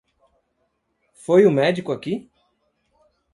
Foi o médico aqui?